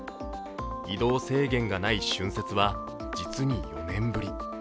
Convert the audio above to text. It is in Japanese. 移動制限がない春節は実に４年ぶり